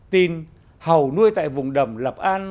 tin hầu nuôi tại vùng đầm lập an